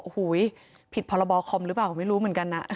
โอ้โหผิดพรบคอมหรือเปล่าไม่รู้เหมือนกันนะ